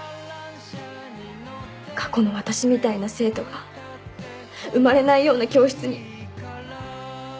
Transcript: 過去の私みたいな生徒が生まれないような教室に。